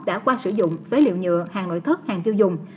đã qua sử dụng phế liệu nhựa hàng nội thất hàng tiêu dùng